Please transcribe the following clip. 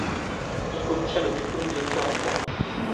Il obtient le diplôme de docteur en droit.